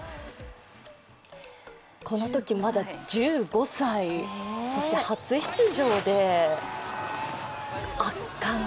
このときまだ１５歳、そして初出場で圧巻。